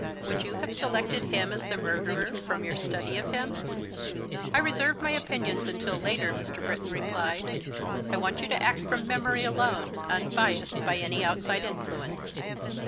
"Would you have selected him as the murderer, from your study of him?" "I reserve my opinions until later," Mr. Britton replied. "I want you to act from memory alone, unbiased by any outside influence."